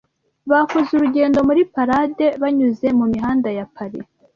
Bakoze urugendo muri parade banyuze mumihanda ya Paris.